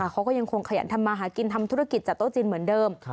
เขาก็ยังคงขยันทำมาหากินทำธุรกิจจัดโต๊ะจีนเหมือนเดิม